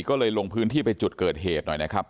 ก็เลยลงพื้นที่ไปจุดเกิดเหตุหน่อยนะครับ